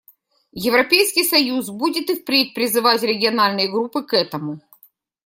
Европейский союз будет и впредь призывать региональные группы к этому.